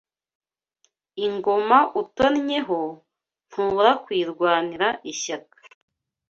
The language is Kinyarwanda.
Ingoma utonnyeho ntubura kuyirwanira ishyaka